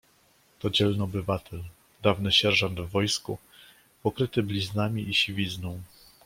"To dzielny obywatel, dawny sierżant w wojsku, pokryty bliznami i siwizną."